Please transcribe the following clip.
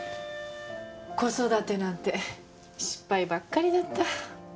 子育てなんて失敗ばっかりだった。